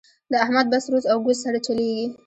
د احمد بس روز او ګوز سره چلېږي.